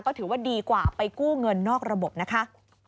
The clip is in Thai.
ก็ถือว่าดีกว่าไปกู้เงินนอกระบบนะคะ